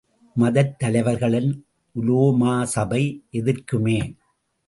மதத் தலைவர்களின் உலோமா சபை எதிர்க்குமே!